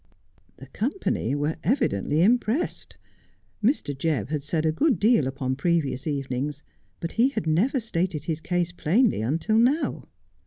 The company were evidently impressed. Mr. Jebb had said a good deal upon previous evenings, but he had never stated his case plainly until now.